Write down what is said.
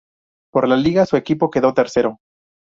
Por la liga su equipo quedó tercero.